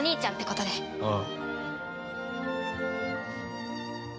ああ。